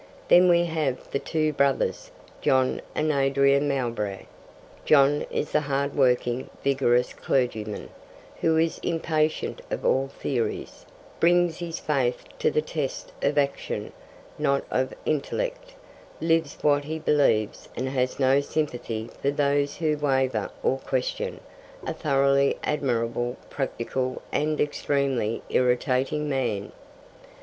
Then we have the two brothers, John and Adrian Mowbray. John is the hard working, vigorous clergyman, who is impatient of all theories, brings his faith to the test of action, not of intellect, lives what he believes, and has no sympathy for those who waver or question a thoroughly admirable, practical, and extremely irritating man.